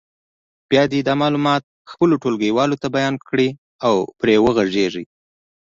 بیا دې دا معلومات خپلو ټولګیوالو ته بیان کړي او پرې وغږېږي.